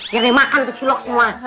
gere makan tuh cilok semua